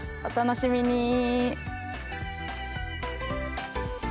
お楽しみに。